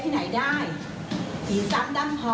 พระนั้นอยู่ที่บ้าน